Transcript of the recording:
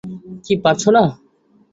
কী পারছো না?